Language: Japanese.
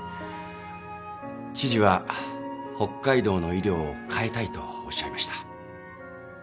知事は北海道の医療を変えたいとおっしゃいました。